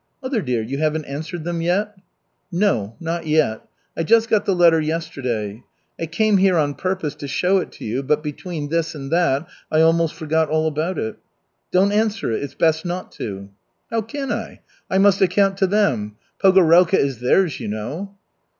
"Mother dear, you haven't answered them yet?" "No, not yet. I just got the letter yesterday. I came here on purpose to show it to you, but between this and that I almost forgot all about it." "Don't answer it. It's best not to." "How can I? I must account to them. Pogorelka is theirs, you know."